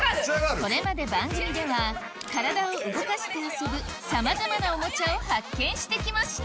これまで番組では体を動かして遊ぶさまざまなおもちゃを発見してきました